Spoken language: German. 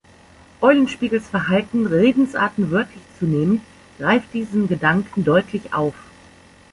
Eulenspiegels Verhalten, Redensarten wörtlich zu nehmen, greift diesen Gedanken deutlich auf.